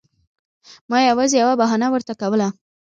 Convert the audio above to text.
ما یوازې یوه بهانه ورته کوله.